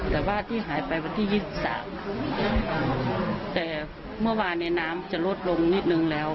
แต่ว่าที่หายไปวันที่๒๓แต่เมื่อวานในน้ำจะลดลงนิดนึงแล้ว